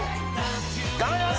頑張ります